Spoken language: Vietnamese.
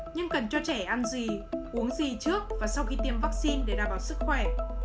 nhưng cần cho trẻ ăn gì uống gì trước và sau khi tiêm vaccine để đảm bảo sức khỏe